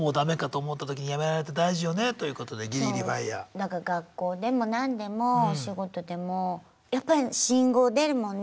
なんか学校でも何でも仕事でもやっぱり信号出るもんね